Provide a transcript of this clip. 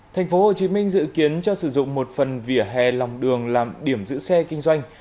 thành phố hồ chí minh dự kiến cho sử dụng một phần vỉa hè lòng đường làm điểm giữ xe kinh doanh